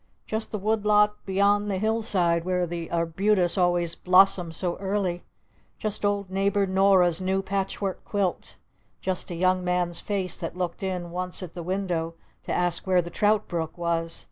Just the wood lot beyond the hill side where the Arbutus always blossomed so early! Just old Neighbor Nora's new patch work quilt! Just a young man's face that looked in once at the window to ask where the trout brook was!